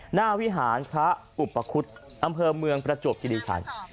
วิหารพระอุปคุฎอำเภอเมืองประจวบกิริคัน